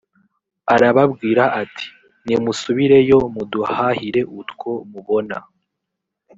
arababwira ati nimusubireyo muduhahire utwo mubona